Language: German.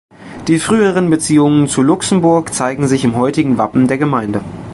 Die früheren Beziehungen zu Luxemburg zeigen sich im heutigen Wappen der Gemeinde.